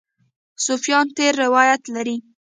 صوفیان تېر روایت لري.